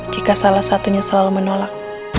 jika salah satunya selalu menolak